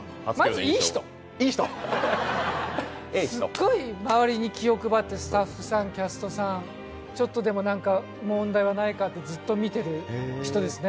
まず、いい人すっごい周りに気を配って、スタッフさんキャストさん、ちょっとでも問題はないかってずっと見てる人ですね。